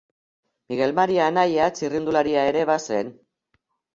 Migel Mari anaia txirrindularia ere bazen.